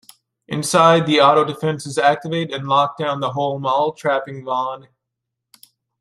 Inside the auto-defenses activate and lock down the whole mall trapping Vaughan.